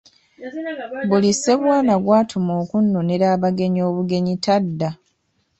Buli Ssebwana gw’atuma okunonera abagenyi obugenyi tadda.